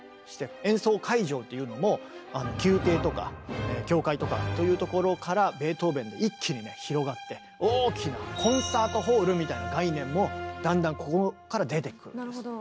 演奏会場っていうのも宮廷とか教会とかというところからベートーベンで一気にね広がって大きなコンサートホールみたいな概念もだんだんここから出てくるんです。